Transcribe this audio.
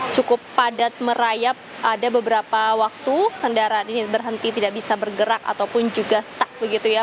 cukup padat merayap ada beberapa waktu kendaraan ini berhenti tidak bisa bergerak ataupun juga stuck begitu ya